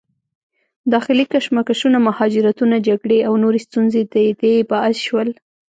داخلي کشمکشونه، مهاجرتونه، جګړې او نورې ستونزې د دې باعث شول